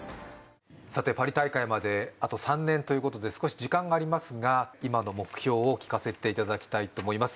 さてパリ大会まであと３年ということで少し時間がありますが今の目標を聞かせていただきたいと思います